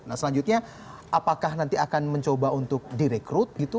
nah selanjutnya apakah nanti akan mencoba untuk direkrut gitu